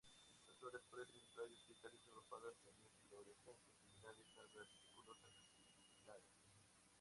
Las flores aparecen en tallos solitarios, agrupadas en inflorescencias similares a verticilos, axilares.